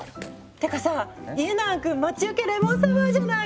てかさ家長くん待ち受けレモンサワーじゃない！